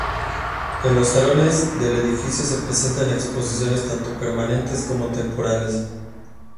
En los salones del edificio se presentan exposiciones tanto permanentes como temporales.